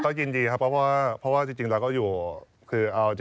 ก็ยินดีครับเพราะว่าจริงเราก็อยู่